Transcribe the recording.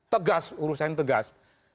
tegas urusan tegas